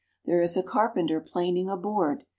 There is a car penter planing a board.